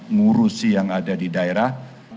ngurusi yang ada di daerah